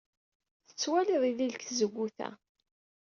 Tettwalid ilel seg tzewwut-a.